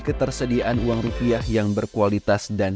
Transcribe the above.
ketersediaan uang rupiah yang berkualitas dan